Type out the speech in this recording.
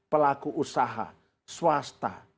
pelaku usaha swasta